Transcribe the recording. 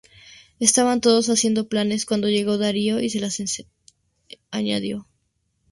Estaban todos haciendo planes cuando llegó Darío y se les añadió.